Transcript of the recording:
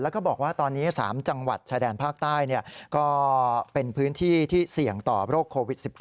แล้วก็บอกว่าตอนนี้๓จังหวัดชายแดนภาคใต้ก็เป็นพื้นที่ที่เสี่ยงต่อโรคโควิด๑๙